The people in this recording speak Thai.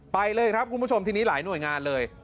ไปเลยครับคุณผู้ชมทีนี้หลายหน่วยงานเลย